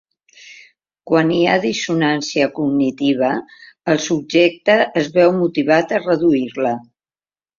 Quan hi ha dissonància cognitiva, el subjecte es veu motivat a reduir-la.